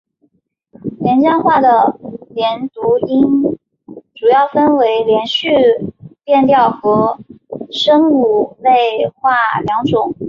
连江话的连读音变主要分为连读变调和声母类化两种。